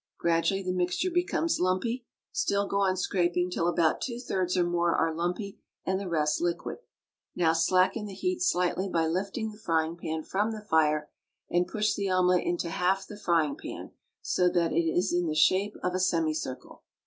Gradually the mixture becomes lumpy; still go on scraping till about two thirds or more are lumpy and the rest liquid. Now slacken the heat slightly by lifting the frying pan from the fire, and push the omelet into half the frying pan so that it is in the shape of a semicircle.